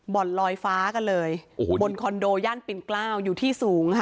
ลอยฟ้ากันเลยโอ้โหบนคอนโดย่านปิ่นเกล้าวอยู่ที่สูงค่ะ